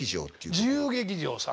自由劇場さん。